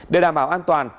để đảm bảo an toàn